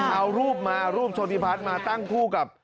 เอารูปมารูปโชธิพัฒน์มาตั้งคู่กับ